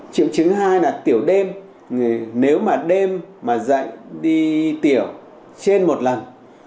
triệu chứng thứ hai là tiểu đêm nếu mà đêm mà dạy đi tiểu trên một lần